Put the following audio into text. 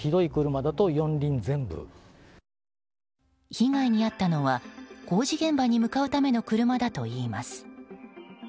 被害に遭ったのは、工事現場に向かうための車だといいます。